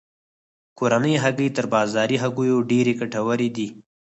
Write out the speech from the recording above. کورنۍ هګۍ تر بازاري هګیو ډیرې ګټورې دي.